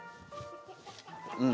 うん。